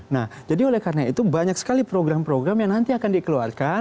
nah jadi oleh karena itu banyak sekali program program yang nanti akan dikeluarkan